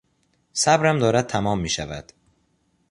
صبرم دارد تمام میشود.